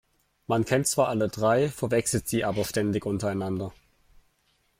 Man kennt zwar alle drei, verwechselt sie aber ständig untereinander.